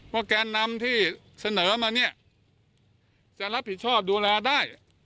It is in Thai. แกนนำที่เสนอมาเนี่ยจะรับผิดชอบดูแลได้